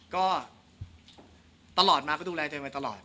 ก็ตลอดมาก็ดูแลตัวเองมาตลอด